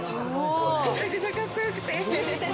めちゃくちゃかっこよくて。